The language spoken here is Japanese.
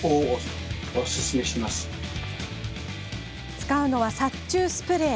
使うのは殺虫スプレー。